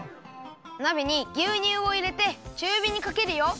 なべにぎゅうにゅうをいれてちゅうびにかけるよ！